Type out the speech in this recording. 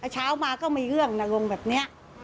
เช้ามาก็มีเรื่องนะงงแบบนี้